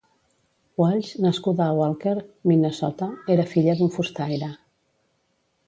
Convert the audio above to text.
Welsh, nascuda a Walker, Minnesota, era filla d'un fustaire.